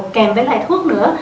kèm với lại thuốc nữa